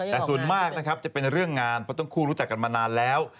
แต่ส่วนมากนะครับจะเป็นเรื่องงานเพราะทั้งคู่รู้จักกันมานานแล้ว